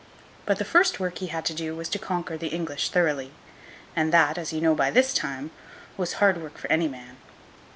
But the first work he had to do, was to conquer the English thoroughly; and that, as you know by this time, was hard work for any man.